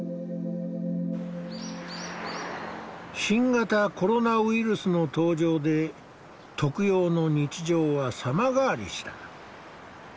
新型コロナウイルスの登場で特養の日常は様変わりした。